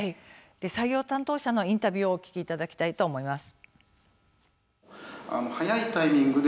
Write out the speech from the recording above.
採用担当者のインタビューをお聞きいただきたいと思います。